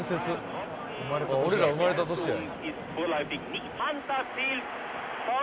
俺ら生まれた年や。